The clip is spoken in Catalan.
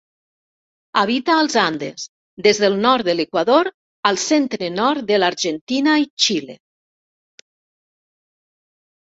Habita als Andes, des del nord de l'Equador al centre-nord de l'Argentina i Xile.